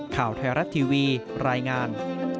ข่าวไทยรัฐทีวีรายงาน